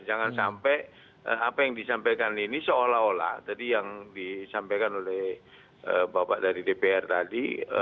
jangan sampai apa yang disampaikan ini seolah olah tadi yang disampaikan oleh bapak dari dpr tadi